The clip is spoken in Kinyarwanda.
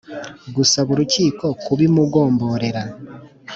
Gusaba urukiko kubimugomborera